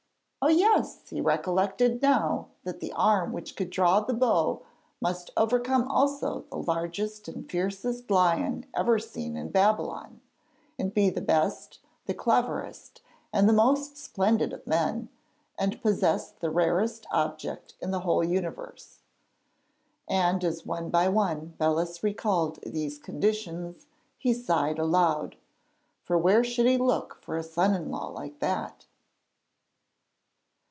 Oh, yes! he recollected now that the arm which could draw the bow must overcome also the largest and fiercest lion ever seen in Babylon, and be the best, the cleverest, and the most splendid of men, and possess the rarest object in the whole universe. And as one by one Belus recalled these conditions he sighed aloud, for where should he look for a son in law like that?